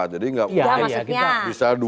jadi gak bisa dua